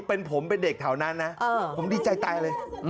เป็นผมเป็นเด็กแถวนั้นนะผมดีใจตายเลย